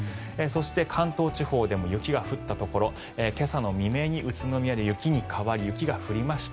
関東地方でも雪が降ったところ今朝の未明に宇都宮で雪に変わり雪が降りました。